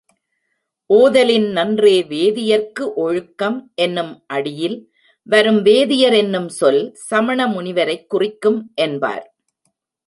ஓதலின் நன்றே வேதியர்க்கு ஒழுக்கம் என்னும் அடியில் வரும் வேதியர் என்னும் சொல் சமண முனிவரைக் குறிக்கும் என்பார்.